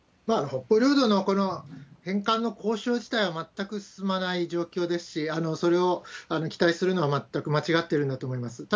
北方領土の返還の交渉自体は全く進まない状況ですし、それを期待するのは全く間違ってるんだと思います。